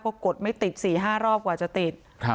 คว่ากดงานไม่ติดสี่ห้ารอบกว่าจะติด